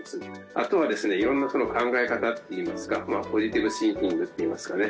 あとはですね色んなその考え方っていいますかポジティブシンキングっていいますかね